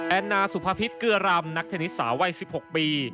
นานาสุภพิษเกลือรำนักเทนนิสสาววัย๑๖ปี